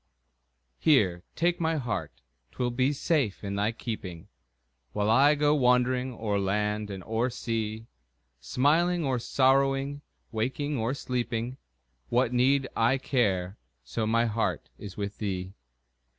Here, take my heart 'twill be safe in thy keeping, While I go wandering o'er land and o'er sea; Smiling or sorrowing, waking or sleeping, What need I care, so my heart is with thee?